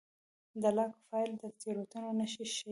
دا لاګ فایل د تېروتنو نښې ښيي.